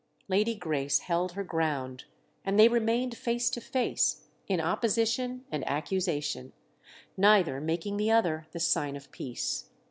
Lady Grace held her ground, and they remained face to face in opposition and accusation, neither making the other the sign of peace.